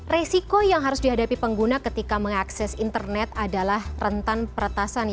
resiko yang harus dihadapi pengguna ketika mengakses internet adalah rentan peretasan